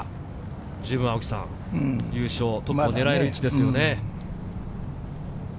十分、優勝・トップを狙える位置ですよね。